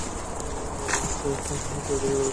বাবা, আমি তো ওকে আজ রাতে এখানে থেকে যেতে বলব।